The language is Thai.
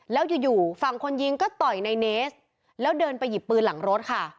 แล้วอยู่อยู่ฝั่งคนยิงก็ต่อยในเนสแล้วเดินไปหยิบปืนหลังรถค่ะ